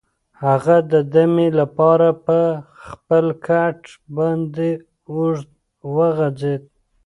هغه د دمې لپاره په خپل کټ باندې اوږد وغځېد.